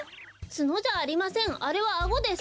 ツノじゃありませんあれはアゴです。